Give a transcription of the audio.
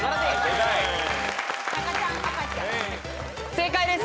正解です。